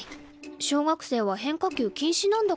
小学生は変化球禁止なんだから。